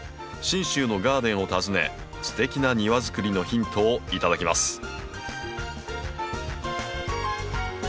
信州のガーデンを訪ねすてきな庭づくりのヒントを頂きます。